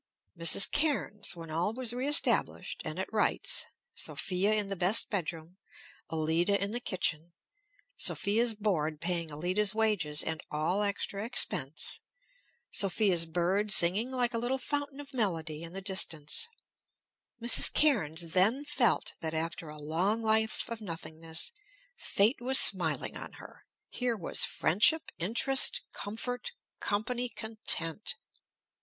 Mrs. Cairnes, when all was reëstablished and at rights, Sophia in the best bedroom, Allida in the kitchen, Sophia's board paying Allida's wages and all extra expense, Sophia's bird singing like a little fountain of melody in the distance, Mrs. Cairnes then felt that after a long life of nothingness, fate was smiling on her; here was friendship, interest, comfort, company, content.